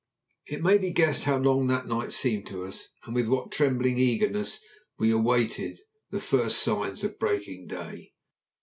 It may be guessed how long that night seemed to us, and with what trembling eagerness we awaited the first signs of breaking day.